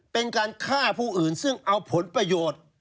เป็นการฆ่าผู้อื่นซึ่งเอาผลประโยชน์